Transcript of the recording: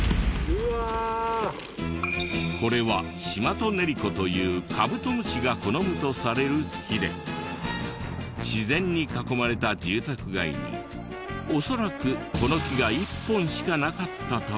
これはシマトネリコというカブトムシが好むとされる木で自然に囲まれた住宅街に恐らくこの木が１本しかなかったため。